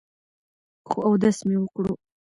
خو اودس مې وکړو ـ